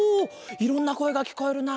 いろんなこえがきこえるな。